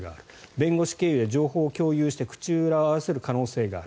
弁護士経由で情報を共有して口裏を合わせる可能性がある。